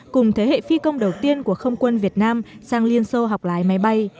cùng thế hệ phi công đầu tiên của không quân việt nam sang liên xô học lái máy bay